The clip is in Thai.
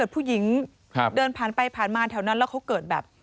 ผู้หญิงเดินผ่านไปผ่านมาแถวนั้นแล้วเขาเกิดแบบ